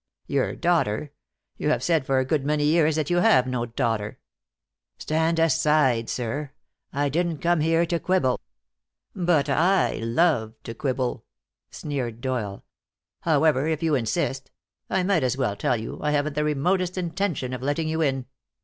"Your daughter? You have said for a good many years that you have no daughter." "Stand aside, sir. I didn't come here to quibble." "But I love to quibble," sneered Doyle. "However, if you insist I might as well tell you, I haven't the remotest intention of letting you in."